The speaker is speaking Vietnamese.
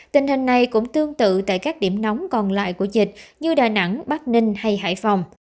tình hình này cũng tương tự tại các điểm nóng còn lại của dịch như đà nẵng bắc ninh hay hải phòng